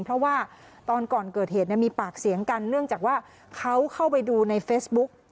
เพราะว่าตอนก่อนเกิดเหตุมีปากเสียงกันเนื่องจากว่าเขาเข้าไปดูในเฟซบุ๊ก